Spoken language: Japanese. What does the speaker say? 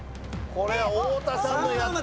これは太田さんもやっと。